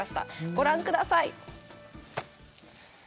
ご覧ください。